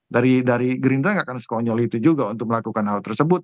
dari gerindra nggak akan sekonyol itu juga untuk melakukan hal tersebut